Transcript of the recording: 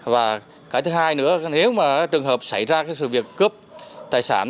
và cái thứ hai nữa nếu trường hợp xảy ra sự việc cướp tài sản